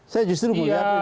saya justru mau lihat